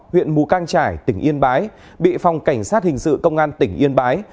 huyện mù căng trải tỉnh yên bái bị phòng cảnh sát hình sự công an tỉnh yên bái